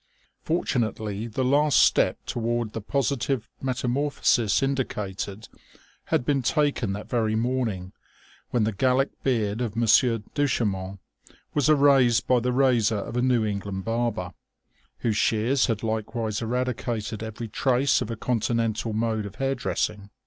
Fortunately the last step toward the positive metamorphosis indicated had been taken that very morning, when the Gallic beard of Monsieur Duchemin was erased by the razor of a New England barber, whose shears had likewise eradicated every trace of a Continental mode of hair dressing.